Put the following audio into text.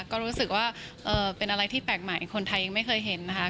ก็รู้สึกว่าเป็นอะไรที่แปลกใหม่คนไทยยังไม่เคยเห็นนะคะ